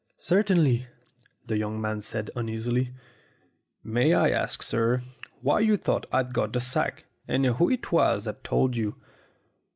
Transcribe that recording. "Certainly," the young man said uneasily. "May I ask, sir, why you thought I'd got the sack, and who it was that told you